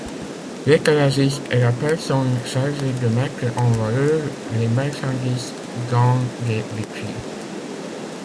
L'étalagiste est la personne chargée de mettre en valeur les marchandises dans des vitrines.